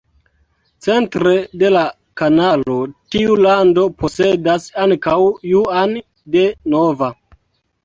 Centre de la kanalo, tiu lando posedas ankaŭ Juan de Nova.